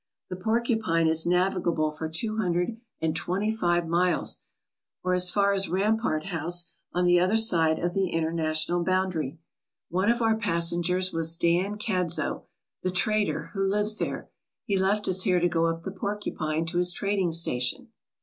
The Porcu pine is navigable for two hundred and twenty five miles, or as far as Rampart House on the other side of the inter national boundary. One of our passengers was Dan Cadzo, the trader, who lives there. He left us here to go up the Porcupine to his trading station.